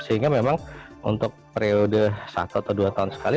sehingga memang untuk periode satu atau dua tahun sekali